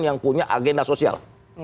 yang punya agenda sosial